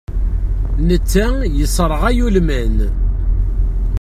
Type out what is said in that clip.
Netta yesraɣay ulman.